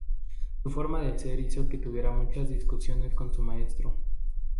Su forma de ser hizo que tuviera muchas discusiones con su maestro.